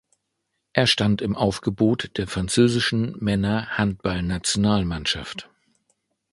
Er stand im Aufgebot der Französischen Männer-Handballnationalmannschaft.